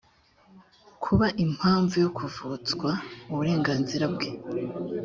kuba impamvu yo kuvutswa uburenganzira bwe